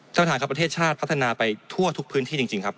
ทฤษภาคประเทศชาติพัฒนาไปทั่วทุกพื้นที่จริงครับ